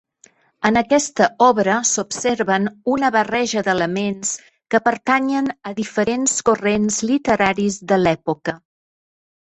En aquesta obra s'observen una barreja d'elements que pertanyen a diferents corrents literaris de l'època.